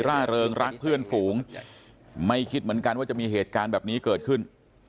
ร่าเริงรักเพื่อนฝูงไม่คิดเหมือนกันว่าจะมีเหตุการณ์แบบนี้เกิดขึ้น